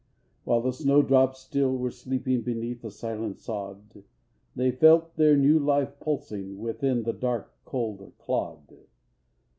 While the snow drops still were sleeping Beneath the silent sod; They felt their new life pulsing Within the dark, cold clod.